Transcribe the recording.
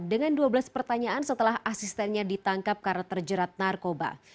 dengan dua belas pertanyaan setelah asistennya ditangkap karena terjerat narkoba